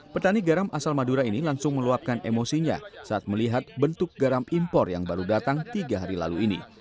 petani garam asal madura ini langsung meluapkan emosinya saat melihat bentuk garam impor yang baru datang tiga hari lalu ini